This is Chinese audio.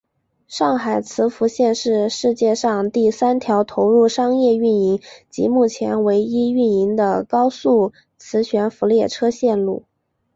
上海磁浮线是世界上第三条投入商业运营及目前唯一运营的高速磁悬浮列车线路。